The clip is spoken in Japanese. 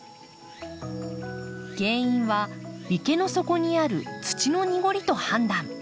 原因は池の底にある土の濁りと判断。